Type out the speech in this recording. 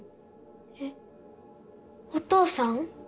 えっお父さん？